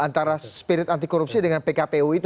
antara spirit anti korupsi dengan pkpu itu